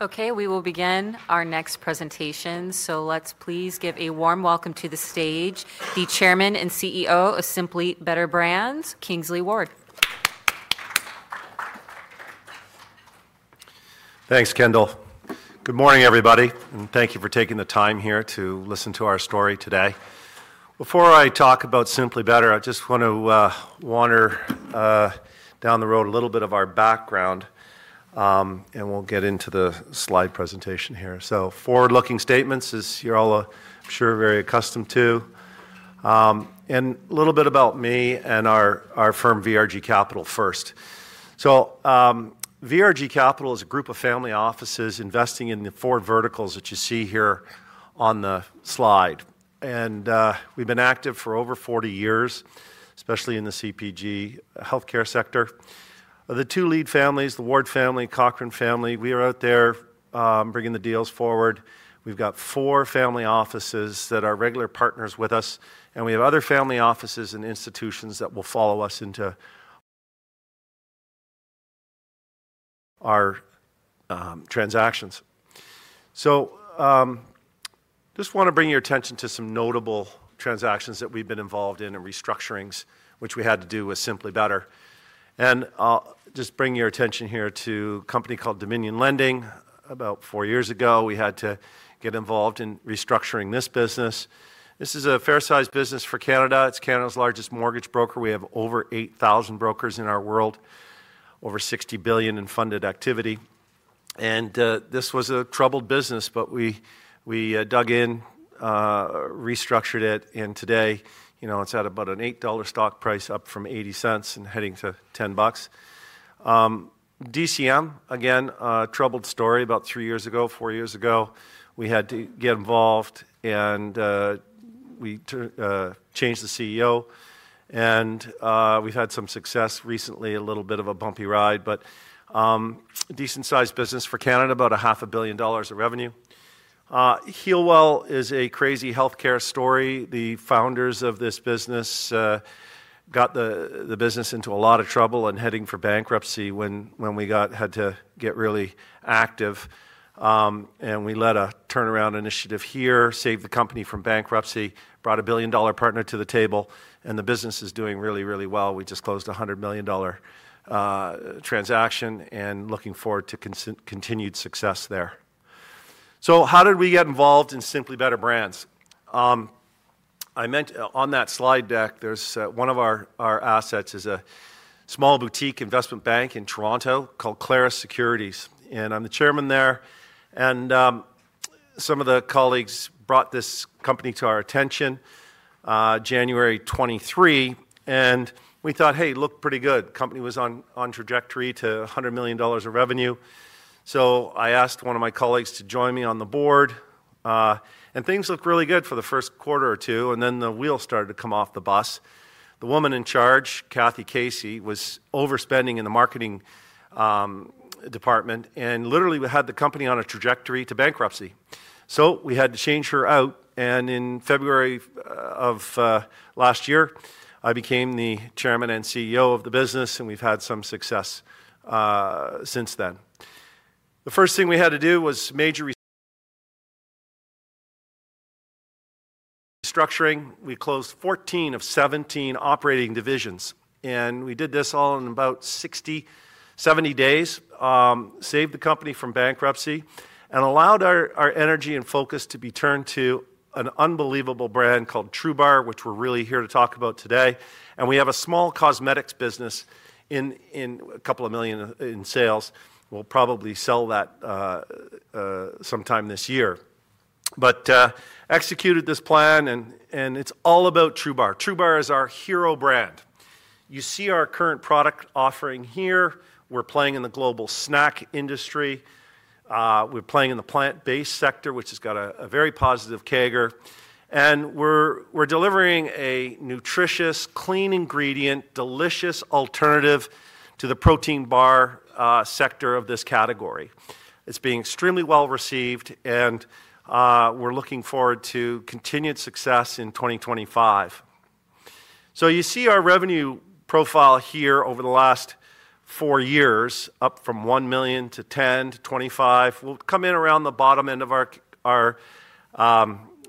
Okay, we will begin our next presentation. Let's please give a warm welcome to the stage the Chairman and CEO of Simply Better Brands, Kingsley Ward. Thanks, Kendall. Good morning, everybody, and thank you for taking the time here to listen to our story today. Before I talk about Simply Better, I just want to wander down the road a little bit of our background, and we'll get into the slide presentation here. Forward-looking statements is, you're all, I'm sure, very accustomed to. A little bit about me and our firm, VRG Capital, first. VRG Capital is a group of family offices investing in the four verticals that you see here on the slide. We've been active for over 40 years, especially in the CPG healthcare sector. The two lead families, the Ward family and Cochrane family, we are out there bringing the deals forward. We've got four family offices that are regular partners with us, and we have other family offices and institutions that will follow us into our transactions. I just want to bring your attention to some notable transactions that we've been involved in and restructurings, which we had to do with Simply Better. I'll just bring your attention here to a company called Dominion Lending. About four years ago, we had to get involved in restructuring this business. This is a fair-sized business for Canada. It's Canada's largest mortgage broker. We have over 8,000 brokers in our world, over $60 billion in funded activity. This was a troubled business, but we dug in, restructured it, and today, you know, it's at about an $8 stock price, up from $0.80 and heading to $10. DCM, again, a troubled story. About three years ago, four years ago, we had to get involved, and we changed the CEO. We've had some success recently, a little bit of a bumpy ride, but a decent-sized business for Canada, about $500 million of revenue. HEALWELL is a crazy healthcare story. The founders of this business got the business into a lot of trouble and heading for bankruptcy when we had to get really active. We led a turnaround initiative here, saved the company from bankruptcy, brought a $1 billion partner to the table, and the business is doing really, really well. We just closed a $100 million transaction and looking forward to continued success there. How did we get involved in Simply Better Brands? I mentioned on that slide deck, one of our assets is a small boutique investment bank in Toronto called Clarus Securities, and I'm the Chairman there. Some of the colleagues brought this company to our attention in January 2023, and we thought, "Hey, it looked pretty good." The company was on trajectory to $100 million of revenue. I asked one of my colleagues to join me on the board, and things looked really good for the first quarter or two, and then the wheel started to come off the bus. The woman in charge, Kathy Casey, was overspending in the marketing department and literally had the company on a trajectory to bankruptcy. We had to change her out, and in February of last year, I became the Chairman and CEO of the business, and we've had some success since then. The first thing we had to do was major restructuring. We closed 14 of 17 operating divisions, and we did this all in about 60-70 days, saved the company from bankruptcy, and allowed our energy and focus to be turned to an unbelievable brand called TRUBAR, which we're really here to talk about today. We have a small cosmetics business in a couple of million in sales. We'll probably sell that sometime this year. Executed this plan, and it's all about TRUBAR. TRUBAR is our hero brand. You see our current product offering here. We're playing in the global snack industry. We're playing in the plant-based sector, which has got a very positive CAGR. We're delivering a nutritious, clean ingredient, delicious alternative to the protein bar sector of this category. It's being extremely well received, and we're looking forward to continued success in 2025. You see our revenue profile here over the last four years, up from $1 million to $10 million to $25 million. We'll come in around the bottom end of our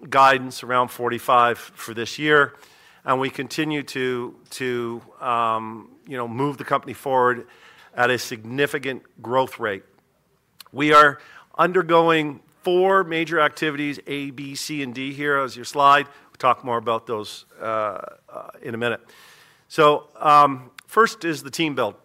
guidance, around $45 million for this year. We continue to move the company forward at a significant growth rate. We are undergoing four major activities: A, B, C, and D here as your slide. We'll talk more about those in a minute. First is the team build.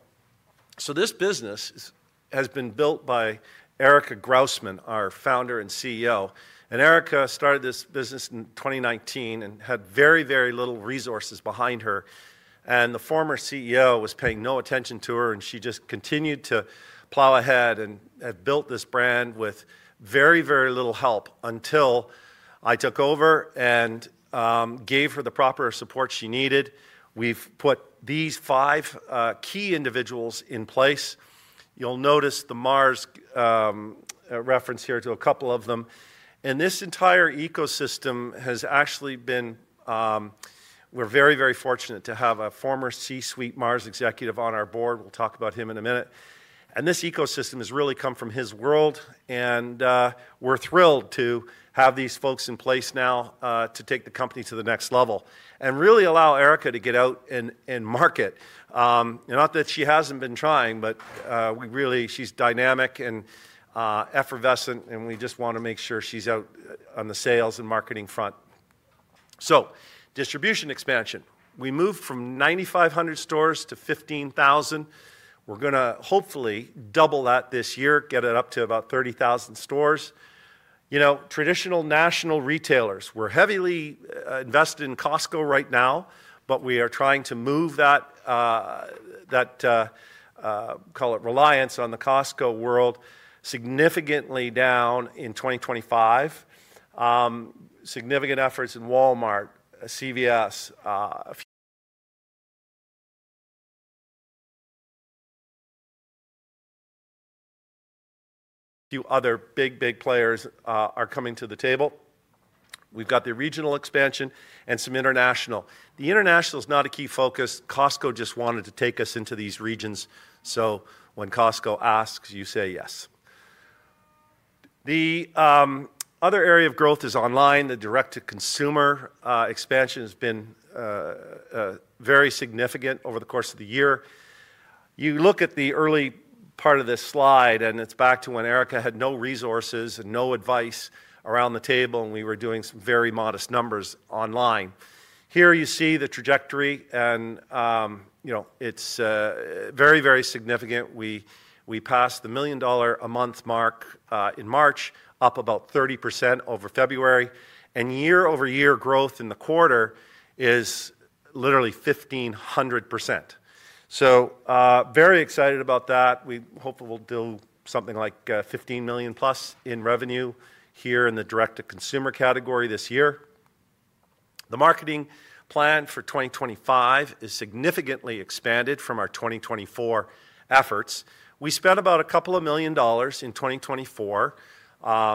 This business has been built by Erica Groussman, our Founder and CEO. Erica started this business in 2019 and had very, very little resources behind her. The former CEO was paying no attention to her, and she just continued to plow ahead and had built this brand with very, very little help until I took over and gave her the proper support she needed. We've put these five key individuals in place. You'll notice the Mars reference here to a couple of them. This entire ecosystem has actually been—we're very, very fortunate to have a former C-suite Mars executive on our board. We'll talk about him in a minute. This ecosystem has really come from his world, and we're thrilled to have these folks in place now to take the company to the next level and really allow Erica to get out and market. Not that she hasn't been trying, but we really—she's dynamic and effervescent, and we just want to make sure she's out on the sales and marketing front. Distribution expansion. We moved from 9,500 stores to 15,000. We're going to hopefully double that this year, get it up to about 30,000 stores. You know, traditional national retailers, we're heavily invested in Costco right now, but we are trying to move that, call it reliance on the Costco world, significantly down in 2025. Significant efforts in Walmart, CVS, a few other big, big players are coming to the table. We've got the regional expansion and some international. The international is not a key focus. Costco just wanted to take us into these regions. When Costco asks, you say yes. The other area of growth is online. The direct-to-consumer expansion has been very significant over the course of the year. You look at the early part of this slide, and it's back to when Erica had no resources and no advice around the table, and we were doing some very modest numbers online. Here you see the trajectory, and it's very, very significant. We passed the million-dollar-a-month mark in March, up about 30% over February. Year-over-year growth in the quarter is literally 1,500%. Very excited about that. We hope we'll do something like $15 million+ in revenue here in the direct-to-consumer category this year. The marketing plan for 2025 is significantly expanded from our 2024 efforts. We spent about a couple of million dollars in 2024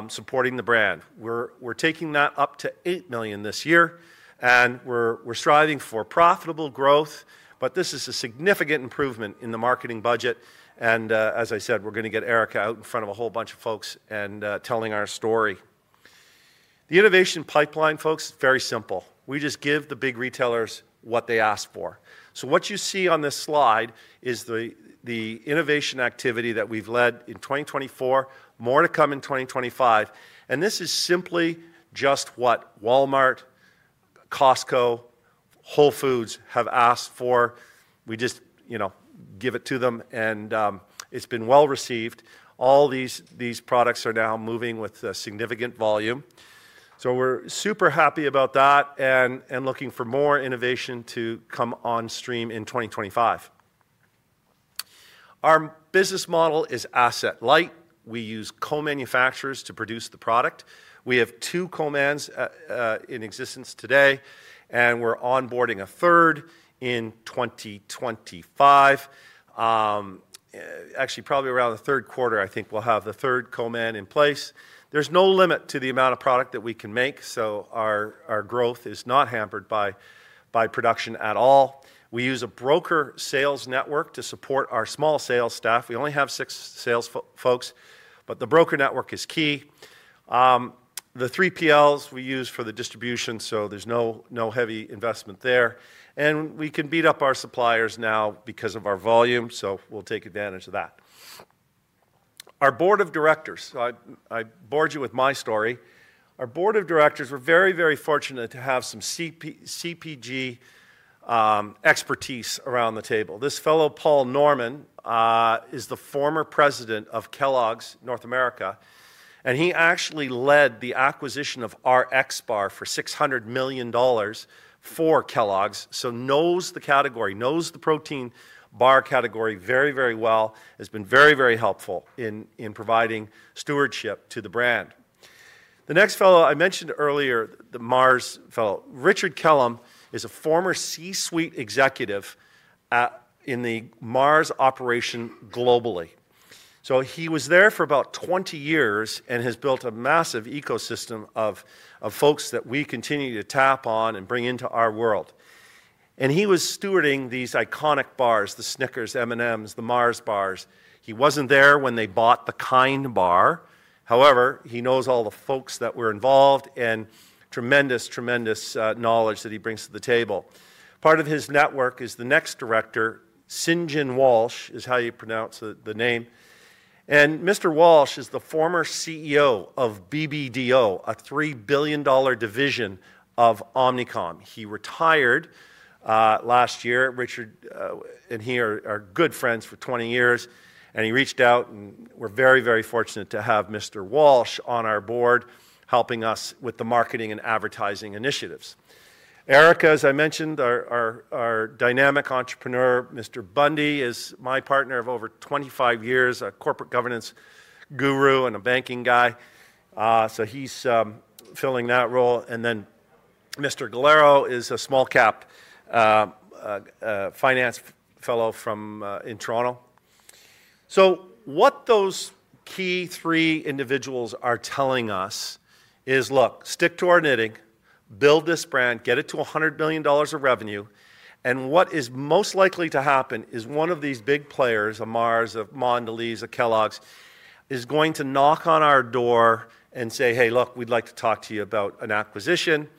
supporting the brand. We're taking that up to $8 million this year, and we're striving for profitable growth, but this is a significant improvement in the marketing budget. As I said, we're going to get Erica out in front of a whole bunch of folks and telling our story. The innovation pipeline, folks, is very simple. We just give the big retailers what they ask for. What you see on this slide is the innovation activity that we've led in 2024, more to come in 2025. This is simply just what Walmart, Costco, Whole Foods have asked for. We just give it to them, and it's been well received. All these products are now moving with significant volume. We are super happy about that and looking for more innovation to come on stream in 2025. Our business model is asset-light. We use co-manufacturers to produce the product. We have two co-mans in existence today, and we are onboarding a third in 2025. Actually, probably around the third quarter, I think we will have the third co-man in place. There is no limit to the amount of product that we can make, so our growth is not hampered by production at all. We use a broker sales network to support our small sales staff. We only have six sales folks, but the broker network is key. The 3PLs we use for the distribution, so there's no heavy investment there. We can beat up our suppliers now because of our volume, so we'll take advantage of that. Our board of directors—so I bored you with my story—our board of directors, we're very, very fortunate to have some CPG expertise around the table. This fellow, Paul Norman, is the former President of Kellogg's North America, and he actually led the acquisition of RXBAR for $600 million for Kellogg's, so he knows the category, knows the protein bar category very, very well. He's been very, very helpful in providing stewardship to the brand. The next fellow I mentioned earlier, the Mars fellow, Richard Kellam, is a former C-suite executive in the Mars operation globally. He was there for about 20 years and has built a massive ecosystem of folks that we continue to tap on and bring into our world. He was stewarding these iconic bars, the Snickers, M&Ms, the Mars bars. He was not there when they bought the KIND bar. However, he knows all the folks that were involved and tremendous, tremendous knowledge that he brings to the table. Part of his network is the next director, Sinjin Walsh, is how you pronounce the name. Mr. Walsh is the former CEO of BBDO, a $3 billion division of Omnicom. He retired last year. Richard and he are good friends for 20 years, and he reached out, and we are very, very fortunate to have Mr. Walsh on our board helping us with the marketing and advertising initiatives. Erica, as I mentioned, our dynamic entrepreneur. Mr. Bundy is my partner of over 25 years, a corporate governance guru and a banking guy. He is filling that role. Mr. Galero is a small-cap finance fellow from Toronto. What those key three individuals are telling us is, "Look, stick to our knitting, build this brand, get it to $100 million of revenue." What is most likely to happen is one of these big players, a Mars, a Mondelez, a Kellogg's, is going to knock on our door and say, "Hey, look, we'd like to talk to you about an acquisition."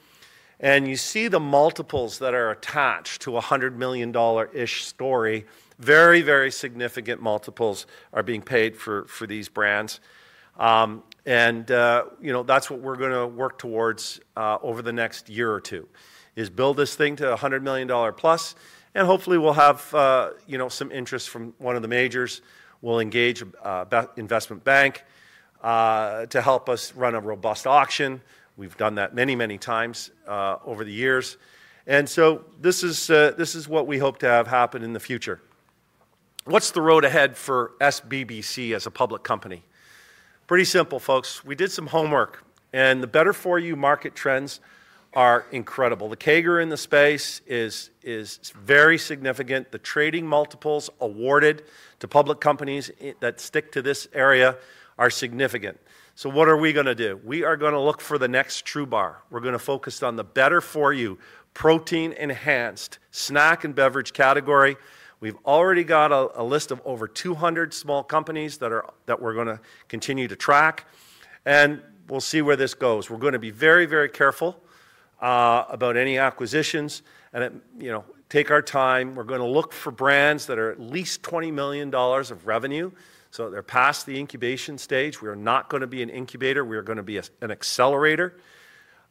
You see the multiples that are attached to a $100 million-ish story. Very, very significant multiples are being paid for these brands. That is what we are going to work towards over the next year or two, build this thing to $100 million plus. Hopefully, we'll have some interest from one of the majors. We'll engage an investment bank to help us run a robust auction. We've done that many, many times over the years. This is what we hope to have happen in the future. What's the road ahead for SBBC as a public company? Pretty simple, folks. We did some homework, and the better-for-you market trends are incredible. The CAGR in the space is very significant. The trading multiples awarded to public companies that stick to this area are significant. What are we going to do? We are going to look for the next TRUBAR. We're going to focus on the better-for-you protein-enhanced snack and beverage category. We've already got a list of over 200 small companies that we're going to continue to track, and we'll see where this goes. We're going to be very, very careful about any acquisitions and take our time. We're going to look for brands that are at least $20 million of revenue, so they're past the incubation stage. We are not going to be an incubator. We are going to be an accelerator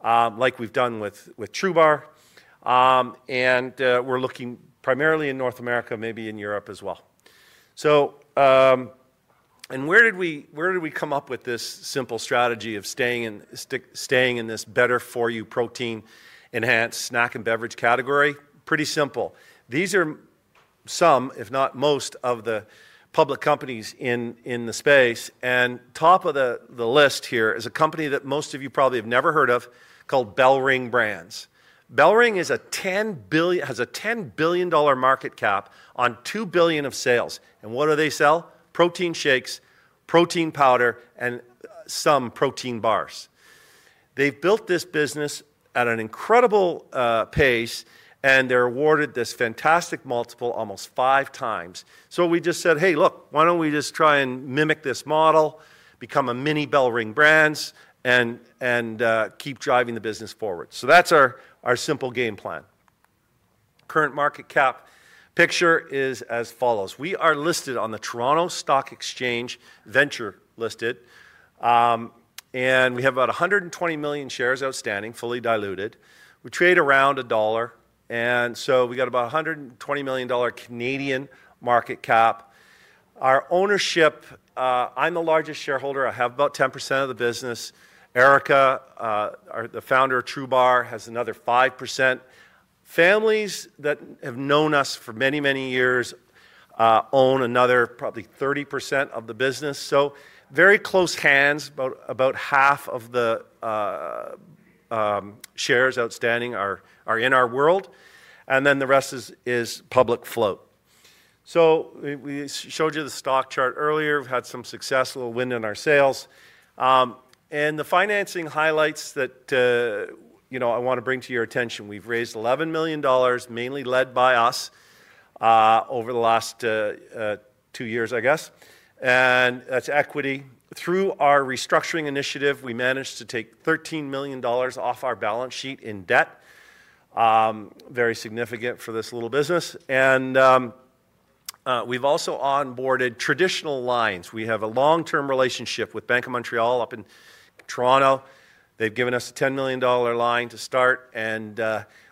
like we've done with TRUBAR. We're looking primarily in North America, maybe in Europe as well. Where did we come up with this simple strategy of staying in this better-for-you protein-enhanced snack and beverage category? Pretty simple. These are some, if not most, of the public companies in the space. Top of the list here is a company that most of you probably have never heard of called BellRing Brands. BellRing has a $10 billion market cap on $2 billion of sales. What do they sell? Protein shakes, protein powder, and some protein bars. They've built this business at an incredible pace, and they're awarded this fantastic multiple almost five times. We just said, "Hey, look, why don't we just try and mimic this model, become a mini BellRing Brands, and keep driving the business forward?" That's our simple game plan. Current market cap picture is as follows. We are listed on the Toronto Stock Exchange Venture, and we have about $ 120 million shares outstanding, fully diluted. We trade around a dollar, and we got about a 120 million Canadian dollars market cap. Our ownership, I'm the largest shareholder. I have about 10% of the business. Erica, the founder of TRUBAR, has another 5%. Families that have known us for many, many years own another probably 30% of the business. Very close hands, about half of the shares outstanding are in our world. The rest is public float. We showed you the stock chart earlier. We've had some success, a little wind in our sails. The financing highlights that I want to bring to your attention. We've raised $11 million, mainly led by us over the last two years, I guess. That's equity. Through our restructuring initiative, we managed to take $13 million off our balance sheet in debt. Very significant for this little business. We've also onboarded traditional lines. We have a long-term relationship with Bank of Montreal up in Toronto. They've given us a $10 million line to start, and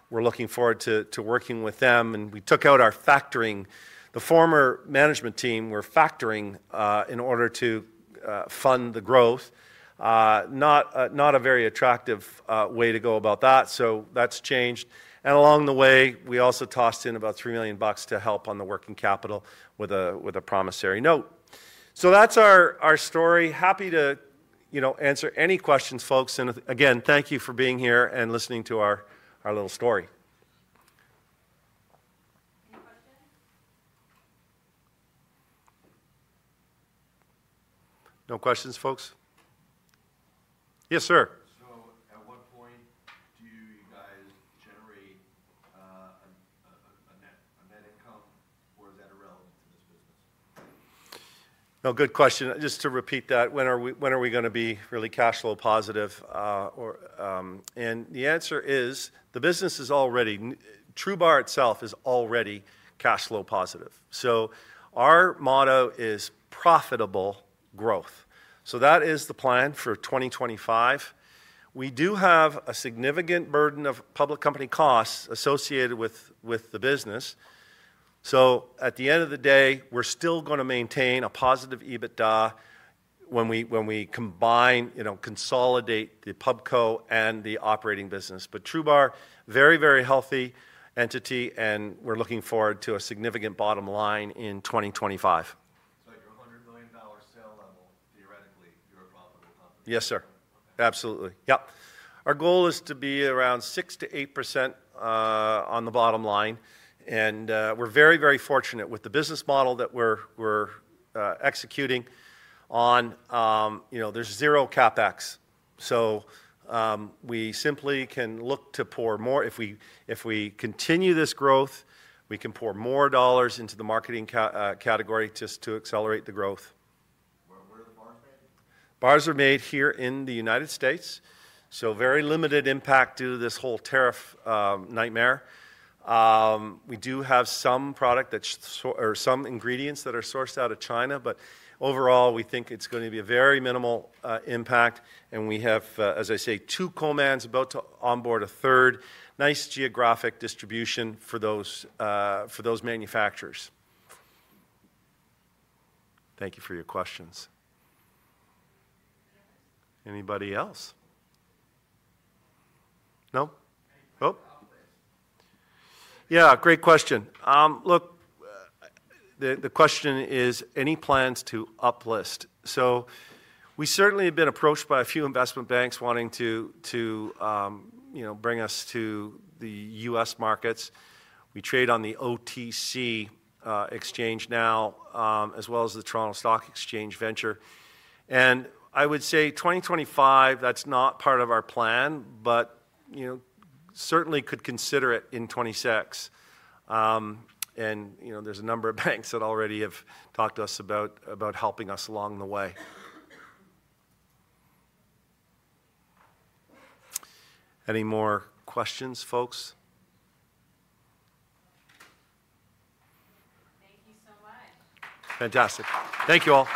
we're looking forward to working with them. We took out our factoring. The former management team were factoring in order to fund the growth. Not a very attractive way to go about that, so that's changed. Along the way, we also tossed in about $3 million to help on the working capital with a promissory note. That is our story. Happy to answer any questions, folks. Again, thank you for being here and listening to our little story. Any questions? No questions, folks? Yes, sir. At what point do you guys generate a net income, or is that irrelevant to this business? Good question. Just to repeat that, when are we going to be really cash flow positive? The answer is the business is already—TRUBAR itself is already cash flow positive. Our motto is profitable growth. That is the plan for 2025. We do have a significant burden of public company costs associated with the business. At the end of the day, we're still going to maintain a positive EBITDA when we combine, consolidate the Pubco and the operating business. TRUBAR, very, very healthy entity, and we're looking forward to a significant bottom line in 2025. At your $100 million sale level, theoretically, you're a profitable company? Yes, sir. Absolutely. Yep. Our goal is to be around 6-8% on the bottom line. We're very, very fortunate with the business model that we're executing on. There's zero CapEx. We simply can look to pour more. If we continue this growth, we can pour more dollars into the marketing category just to accelerate the growth. Where are the bars made? Bars are made here in the United States. Very limited impact due to this whole tariff nightmare. We do have some product or some ingredients that are sourced out of China, but overall, we think it's going to be a very minimal impact. We have, as I say, two co-mans about to onboard a third. Nice geographic distribution for those manufacturers. Thank you for your questions. Anybody else? No? Oh. Yeah, great question. Look, the question is, any plans to uplist? We certainly have been approached by a few investment banks wanting to bring us to the U.S. markets. We trade on the OTC exchange now, as well as the Toronto Stock Exchange Venture. I would say 2025, that's not part of our plan, but certainly could consider it in 2026. There are a number of banks that already have talked to us about helping us along the way. Any more questions, folks? Thank you so much. Fantastic. Thank you all.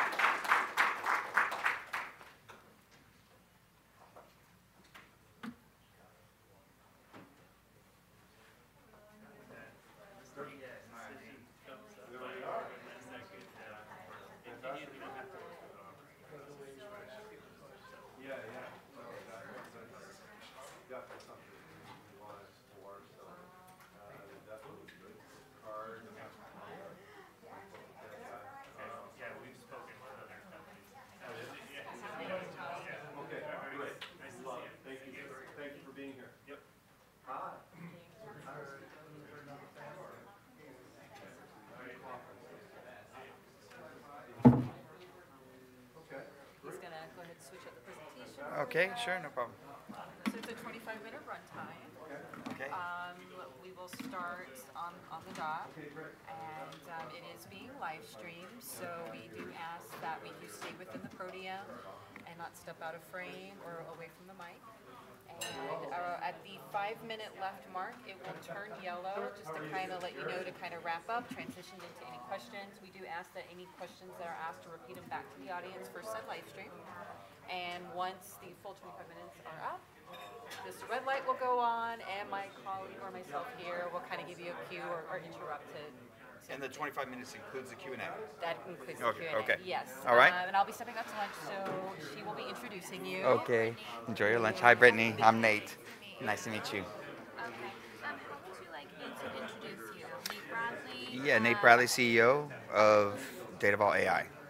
Okay. Great. I'm just going to go ahead and switch up the presentation. Okay. Sure. No problem. It is a 25-minute runtime. We will start on the dock, and it is being live-streamed. We do ask that you stay within the podium and not step out of frame or away from the mic. At the five-minute left mark, it will turn yellow just to kind of let you know to kind of wrap up, transition into any questions. We do ask that any questions that are asked be repeated back to the audience for said live stream. Once the full 25 minutes are up, this red light will go on, and my colleague or myself here will kind of give you a cue or interrupt too. The 25 minutes includes the Q&A? That includes the Q&A. Yes. All right. I'll be stepping out to lunch, so she will be introducing you. Okay. Enjoy your lunch. Hi, Brittany. I'm Nate. Nice to meet you. Okay. How would you like Nate to introduce you? Nate Bradley? Yeah. Nate Bradley, CEO of DataVault AI. Okay.